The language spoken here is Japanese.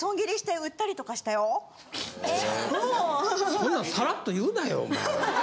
そんなんサラッと言うなよお前。